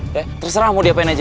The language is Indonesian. udah terserah mau diapain aja